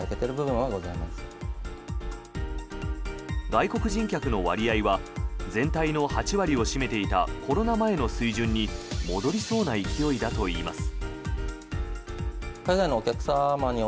外国人客の割合は全体の８割を占めていたコロナ前の水準に戻りそうな勢いだといいます。